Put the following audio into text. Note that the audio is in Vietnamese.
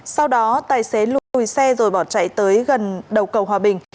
sau đó tài xế lùi xe rồi bỏ chạy tới gần đầu cầu hòa bình